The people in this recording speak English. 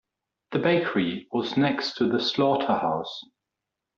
The bakery was next to the slaughterhouse.